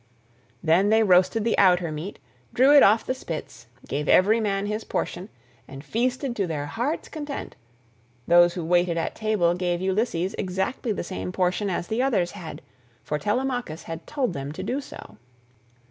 Then they roasted the outer meat, drew it off the spits, gave every man his portion, and feasted to their heart's content; those who waited at table gave Ulysses exactly the same portion as the others had, for Telemachus had told them to do so.